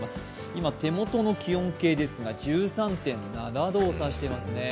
今、手元の気温計ですが１３．７度を指してますね。